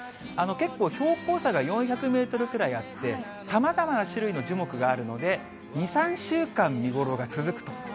結構、標高差が４００メートルくらいあって、さまざまな種類の樹木があるので、２、長いですね。